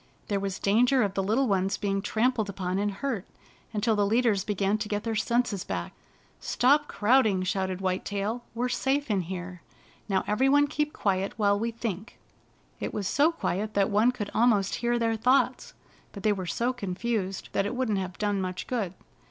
There was danger of the little ones being trampled upon and hurt until the leaders began to get their senses back. "Stop crowding!" shouted White Tail. " We're safe in here ! Now every one keep quiet while we thinks ' It was so quiet that one could almost hear their thoughts, but they were so confused that it wouldn't have done much good.